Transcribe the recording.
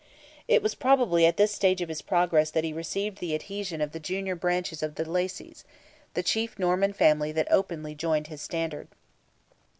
It was probably at this stage of his progress that he received the adhesion of the junior branches of the Lacys—the chief Norman family that openly joined his standard.